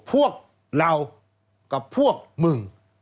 พวกเรากับพวกมึง